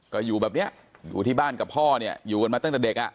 ก็อยู่แบบเนี้ยอยู่ที่บ้านกับพ่อเนี่ยอยู่กันมาตั้งแต่เด็กอ่ะ